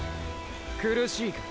苦しいかい？